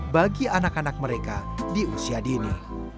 bagi anak anak mereka di usia dini